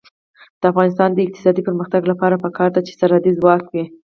د افغانستان د اقتصادي پرمختګ لپاره پکار ده چې سرحدي ځواک وي.